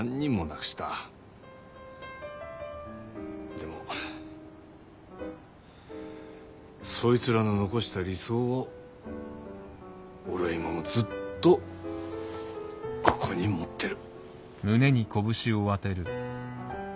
でもそいつらの残した理想を俺は今もずっとここに持ってる。